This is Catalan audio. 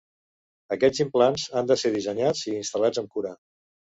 Aquests implants han de ser dissenyats i instal·lats amb cura.